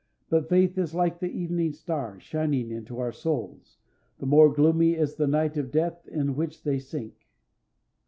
But faith is like the evening star, shining into our souls, the more gloomy is the night of death in which they sink.